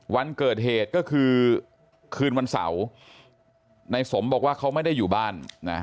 วันเกิดเหตุก็คือคืนวันเสาร์นายสมบอกว่าเขาไม่ได้อยู่บ้านนะ